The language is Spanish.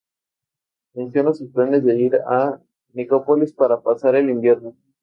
Menciona sus planes de ir a Nicópolis para pasar el invierno.